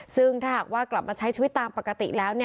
ซึ่งถ้าหากว่ากลับมาใช้ชีวิตตามปกติแล้ว